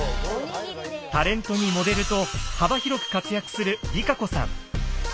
タレントにモデルと幅広く活躍するＲＩＫＡＣＯさん。